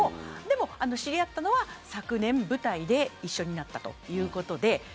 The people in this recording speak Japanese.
知り合ったのは昨年、舞台で一緒になったということで。